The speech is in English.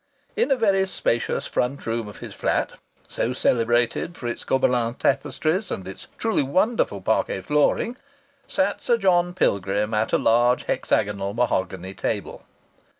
In a very spacious front room of his flat (so celebrated for its Gobelins tapestries and its truly wonderful parquet flooring) sat Sir John Pilgrim at a large hexagonal mahogany table.